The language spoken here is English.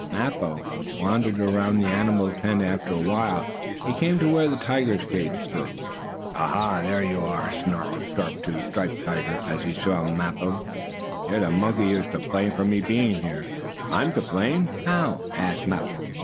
Mappo wandered around the animal tent. After a while he came to where the tiger's cage stood. "Ah ha! There you are!" snarled Sharp Tooth, the striped tiger, as he saw Mappo. "You're the monkey who is to blame for my being here." "I to blame! How?" asked Mappo.